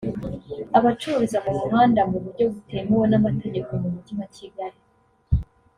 Abacururiza mu muhanda mu buryo butemewe n’amategeko mu Mujyi wa Kigali